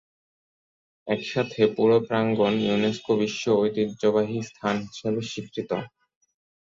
একসাথে পুরো প্রাঙ্গণ ইউনেস্কো বিশ্ব ঐতিহ্যবাহী স্থান হিসেবে স্বীকৃত।